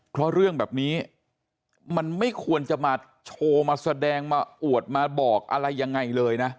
เพราะเรื่องแบบนี้มันไม่ควรจะมาโชว์มาแสดงมาอวดมาบอกอะไรยังไงเลยนะ